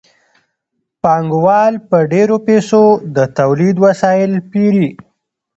پانګوال په ډېرو پیسو د تولید وسایل پېري